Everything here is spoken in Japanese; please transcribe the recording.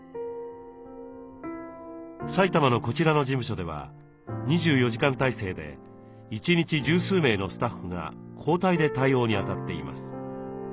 埼玉のこちらの事務所では２４時間体制で一日十数名のスタッフが交代で対応にあたっています。